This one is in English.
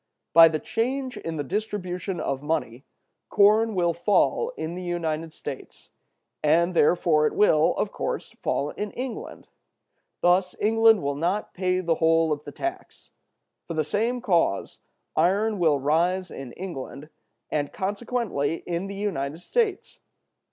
By the change in the distribution of money, corn will fall in the United States, and therefore it will, of course, fall in England. Thus England will not pay the whole of the tax. From the same cause, iron will rise in England, and consequently in the United States.